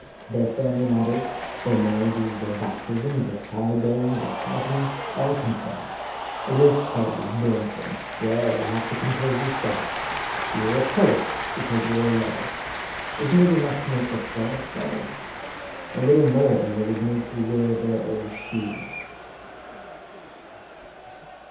Their family matters their marriages, their baptisms, their child bearings, their progeny all concern you. A wolf cub is born to them. Well, you have to compose a sonnet. You are a poet because you are low. Isn't it enough to make the stars fall! A little more, and they would make you wear their old shoes.